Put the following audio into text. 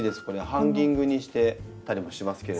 ハンギングにしてたりもしますけれど。